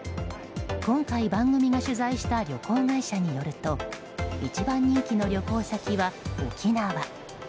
今回、番組が取材した旅行会社によると一番人気の旅行先は沖縄。